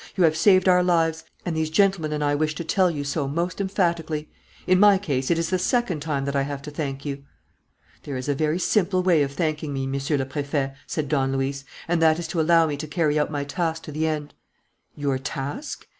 You have saved our lives; and these gentlemen and I wish to tell you so most emphatically. In my case, it is the second time that I have to thank you." "There is a very simple way of thanking me, Monsieur le Préfet," said Don Luis, "and that is to allow me to carry out my task to the end." "Your task?"